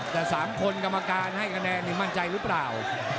แต่๓คนกรรมการให้คะแนนนี่มั่นใจหรือเปล่า